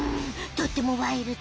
とってもワイルド！